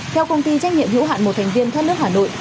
theo công ty trách nhiệm hữu hạn một thành viên thoát nước hà nội